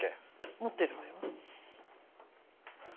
持ってるわよ。